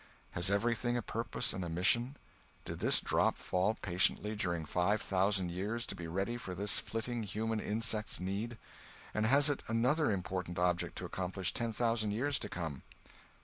Has everything a purpose and a mission? Did this drop fall patiently during five thousand years to be ready for this flitting human insect's need? and has it another important object to accomplish ten thousand years to come?